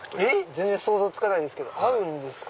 全然想像つかないんですけど合うんですか？